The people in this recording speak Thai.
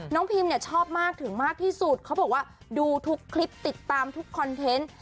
พิมเนี่ยชอบมากถึงมากที่สุดเขาบอกว่าดูทุกคลิปติดตามทุกคอนเทนต์